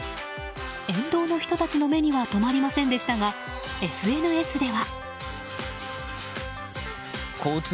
沿道の人たちの目には止まりませんでしたがＳＮＳでは。